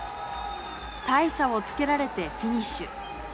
大差をつけられてフィニッシュ。